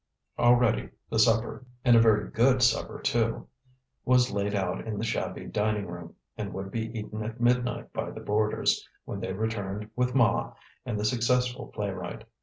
Already the supper and a very good supper, too was laid out in the shabby dining room, and would be eaten at midnight by the boarders, when they returned with Ma and the successful playwright.